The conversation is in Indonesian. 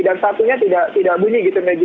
dan satunya tidak bunyi gitu megi